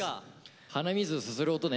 鼻水すする音ね。